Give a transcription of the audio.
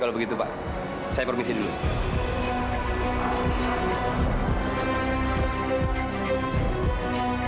saya nyari amplop saya ver tadi saya taruh di sini